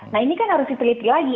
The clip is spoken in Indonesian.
nah ini kan harus diteliti lagi